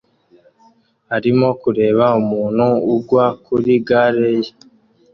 arimo kureba umuntu ugwa kuri gare ye